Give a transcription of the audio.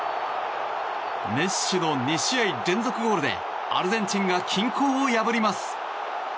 メッシの２試合連続ゴールでアルゼンチンが均衡を破ります。